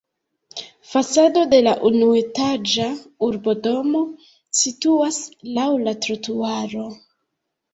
Fasado de la unuetaĝa urbodomo situas laŭ la trotuaro.